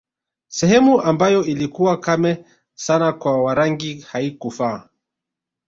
Sehemu ambayo ilikuwa kame sana kwa Warangi haikufaa